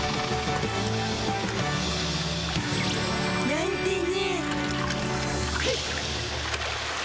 なんてね。